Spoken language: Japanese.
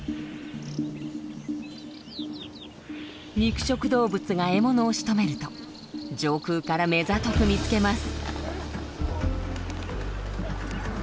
肉食動物が獲物をしとめると上空から目ざとく見つけます。